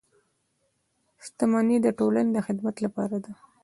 • شتمني د ټولنې د خدمت لپاره ده.